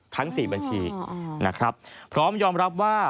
ทั้ง๔บัญชีนะครับพร้อมยอมรับว่า